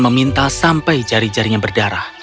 stella memintal sampai jari jarinya berdarah